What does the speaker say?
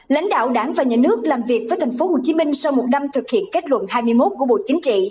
lãnh đạo đảng và nhà nước làm việc với thành phố hồ chí minh sau một năm thực hiện kết luận hai mươi một của bộ chính trị